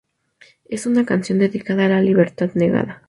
Es una canción dedicada a la libertad negada.